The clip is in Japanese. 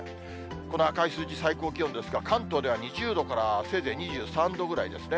この赤い数字、最高気温ですが、関東では２０度からせいぜい２３度ぐらいですね。